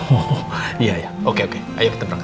oh iya ya oke oke ayo kita berangkat